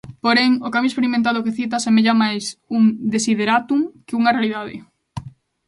Porén, o cambio experimentado que cita semella máis un desiderátum que unha realidade.